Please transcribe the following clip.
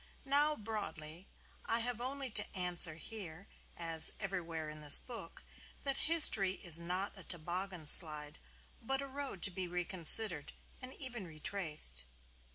Now, broadly, I have only to answer here, as everywhere in this book, that history is not a toboggan slide, but a road to be reconsidered and even retraced.